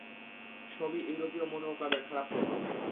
সবই ইউরোপীয় মোটর ক্লাবের খারাপ প্রভাব।